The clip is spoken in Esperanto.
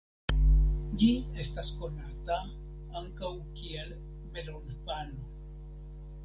Ĝi estas konata ankaŭ kiel "melonpano".